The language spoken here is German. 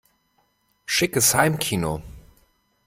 Schickes Heimkino!